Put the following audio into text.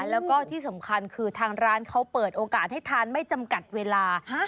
แล้วก็ที่สำคัญคือทางร้านเขาเปิดโอกาสให้ทานไม่จำกัดเวลา